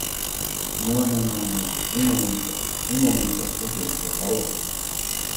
¡ No, no , no , no , un momento! Un momento. oye .¡ por favor !